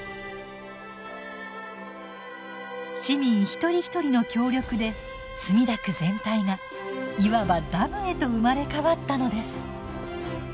市民一人一人の協力で墨田区全体がいわばダムへと生まれ変わったのです。